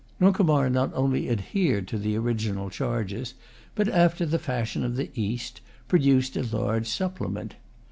Nuncomar not only adhered to the original charges, but, after the fashion of the East, produced a large supplement.